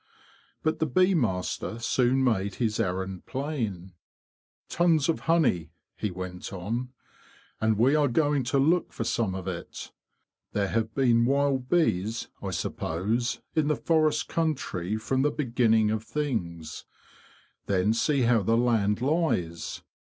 But the bee master soon made his errand plain. "Tons of honey,'' he went on. '' And we are going to look for some of it. There have been wild bees, I suppose, in the forest country from the beginning of things. Then see how the land lies.